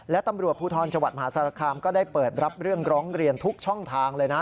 และตำรวจภูทรจังหวัดมหาสารคามก็ได้เปิดรับเรื่องร้องเรียนทุกช่องทางเลยนะ